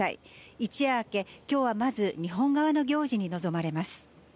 一夜明け今日はまず日本側の行事に臨まれます。